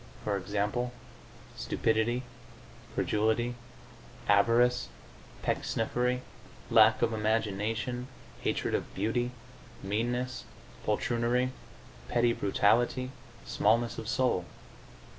For example, stupidity, credulity, avarice, pecksniffery, lack of imagination, hatred of beauty, meanness, poltroonry, petty brutality, smallness of soul....